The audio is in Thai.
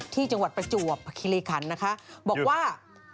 จังหวัดประจวบคิริคันนะคะบอกว่า